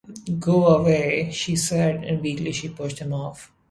“Go away,” she said, and weakly she pushed him off.